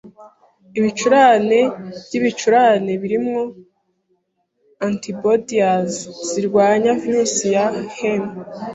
Ibicurane byibicurane birimo antibodies zirwanya virusi ya HN.